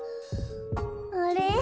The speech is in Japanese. あれ？